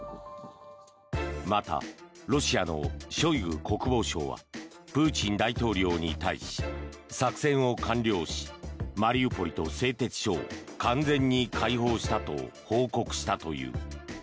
また、ロシアのショイグ国防相はプーチン大統領に対し作戦を完了しマリウポリと製鉄所を完全に解放したと報告したという。